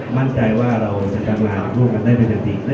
มั่นใจว่าเราต้องทำงานพวกนั้นได้เป็นได้เป็นดี